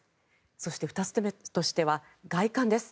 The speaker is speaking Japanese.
そして２つ目としては外観です。